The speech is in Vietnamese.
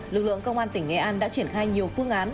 lực lượng công an tỉnh nghệ an đã triển khai nhiều phương án